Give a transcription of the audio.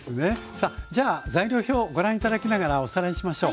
さあじゃあ材料表をご覧頂きながらおさらいしましょう。